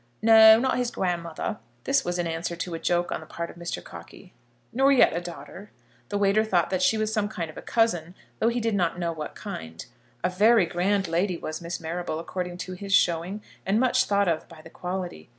"No; not his grandmother." This was in answer to a joke on the part of Mr. Cockey. Nor yet a daughter. The waiter thought she was some kind of a cousin, though he did not know what kind. A very grand lady was Miss Marrable, according to his showing, and much thought of by the quality.